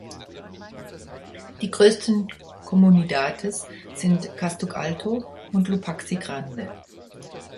Die größten Comunidades sind Castug Alto und Lupaxi Grande.